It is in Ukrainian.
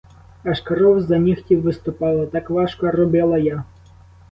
Аж кров з-за нігтів виступала, так важко робила я!